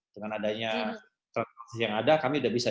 dengan adanya transaksi yang ada kami sudah bisa